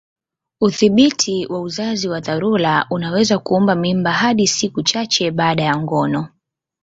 Udhibiti wa uzazi wa dharura unaweza kuua mimba hadi siku chache baada ya ngono.